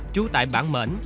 trú tại bảng mễn